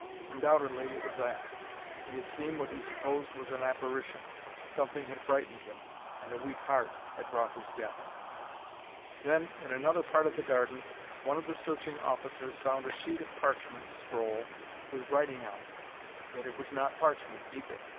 Undoubtedly it was that. He had seen what he supposed was an apparition; something had frightened him; and a weak heart had brought his death. Then, in another part of the garden, one of the searching officers found a sheet of parchment scroll with writing on it. Yet it was not parchment, either.